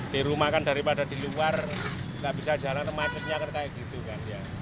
di rumah kan daripada di luar gak bisa jalan masyarakatnya akan kayak gitu kan ya